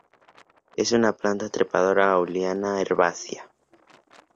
Es una planta trepadora o liana, herbácea.